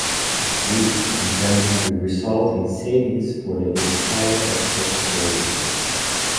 This, in turn, would result in savings for the installer of such cable.